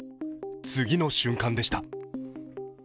次の瞬間でした。